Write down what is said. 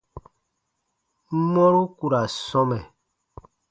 Mɔru ku ra sɔmɛ.